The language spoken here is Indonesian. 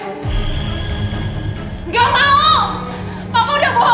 jess tolong dengerin papa jess